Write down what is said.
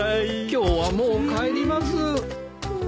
今日はもう帰ります。